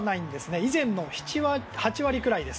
以前の７割、８割くらいです。